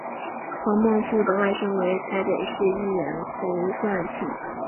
黄孟复的外甥为台北市议员侯冠群。